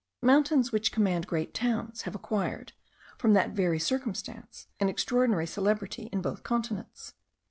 Mountains which command great towns, have acquired, from that very circumstance, an extraordinary celebrity in both continents.